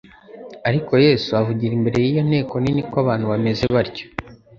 Ariko Yesu avugira imbere y'iyo nteko nini ko abantu bameze batyo